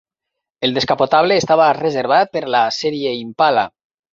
El descapotable estava reservat per la sèrie Impala.